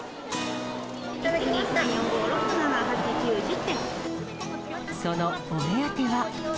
１、２、３、４、５、６、そのお目当ては。